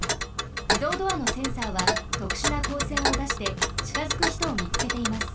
じどうドアのセンサーはとくしゅなこうせんをだしてちかづくひとをみつけています。